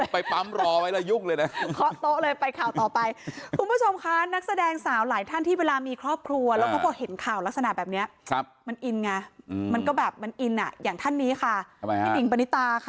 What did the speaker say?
พี่ปริหญิงก็เอาใจหรอ